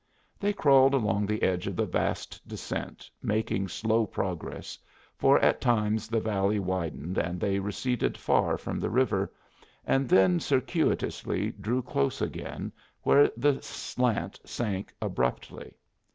They crawled along the edge of the vast descent, making slow progress, for at times the valley widened and they receded far from the river, and then circuitously drew close again where the slant sank abruptly.